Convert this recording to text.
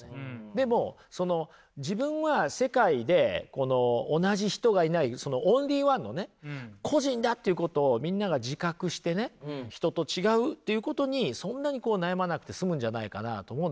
でもその自分は世界で同じ人がいないそのオンリーワンのね個人だということをみんなが自覚してね人と違うってことにそんなに悩まなくて済むんじゃないかなと思うんですよね。